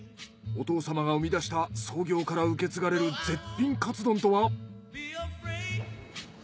お父様が生み出した創業から受け継がれる絶品カツ丼とは？